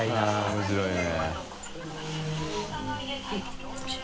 面白いね。